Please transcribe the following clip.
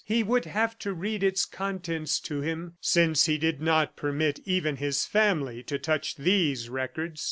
He would have to read its contents to him since he did not permit even his family to touch these records.